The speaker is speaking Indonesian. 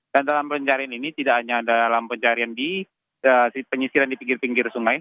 dan dalam pencarian ini tidak hanya dalam pencarian di penyisiran di pinggir pinggir sungai